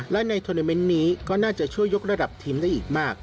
และในทวนาเมนต์นี้ก็น่าจะช่วยยกระดับทีมได้อีกมาก